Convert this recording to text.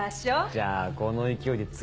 じゃあこの勢いで次。